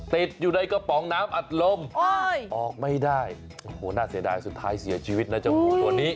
ติดอยู่ในกระป๋องน้ำอัดลมออกไม่ได้โอ้โหน่าเสียดายสุดท้ายเสียชีวิตนะเจ้างูตัวนี้